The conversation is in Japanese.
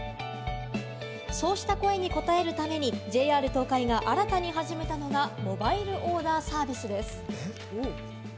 そうした声に応えるために、ＪＲ東海が新たに始めたのがモバイルオーダーサービスです。